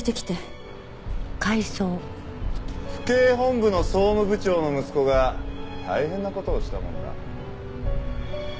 府警本部の総務部長の息子が大変な事をしたもんだ。